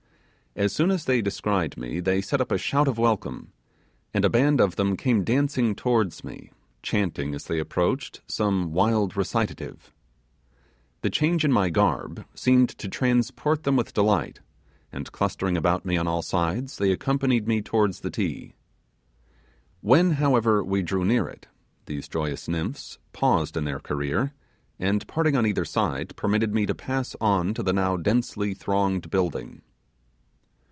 As soon as they descried me they set up a shout of welcome; and a band of them came dancing towards me, chanting as they approached some wild recitative. The change in my garb seemed to transport them with delight, and clustering about me on all sides, they accompanied me towards the Ti. When however we drew near it these joyous nymphs paused in their career, and parting on either side, permitted me to pass on to the now densely thronged building.